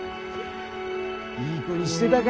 いい子にしてたか？